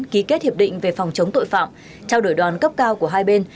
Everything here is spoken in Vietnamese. ký kết hiệp định về phòng chống tội phạm trao đổi đoàn cấp cao của hai bên